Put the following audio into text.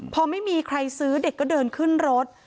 พอไม่มีใครซื้อเด็กก็เดินขึ้นรถ